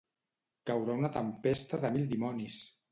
Caurà una tempesta de mil dimonis!